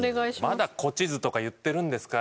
まだ古地図とか言ってるんですか？